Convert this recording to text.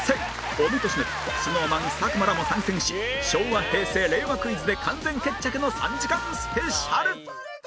尾美としのり ＳｎｏｗＭａｎ 佐久間らも参戦し昭和・平成・令和クイズで完全決着の３時間スペシャル！